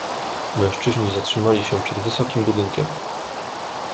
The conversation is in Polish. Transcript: "Mężczyźni zatrzymali się przed wysokim budynkiem."